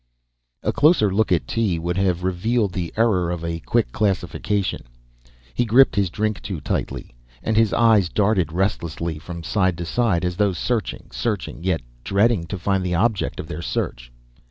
A closer look at Tee would have revealed the error of a quick classification. He gripped his drink too tightly, and his eyes darted restlessly from side to side, as though searching, searching; yet dreading to find the object of their search.